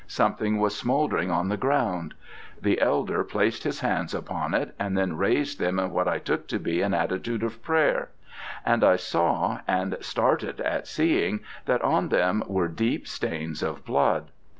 Something was smouldering on the ground. The elder placed his hands upon it, and then raised them in what I took to be an attitude of prayer: and I saw, and started at seeing, that on them were deep stains of blood.